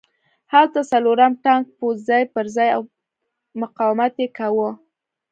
هلته څلورم ټانک پوځ ځای پرځای و او مقاومت یې کاوه